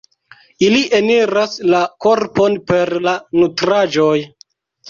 Ili eniras la korpon per la nutraĵoj.